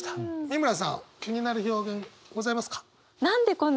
美村さん気になる表現ございますか？